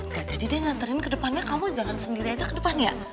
gak jadi deh nganterin ke depannya kamu jalan sendiri aja ke depan ya